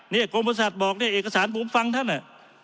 เนี่ยกรมภาษาบอกเนี่ยเอกสารผมฟังท่านอ่ะ